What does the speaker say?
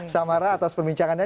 samara atas perbincangannya